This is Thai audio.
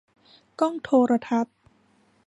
กล้องโทรทัศน์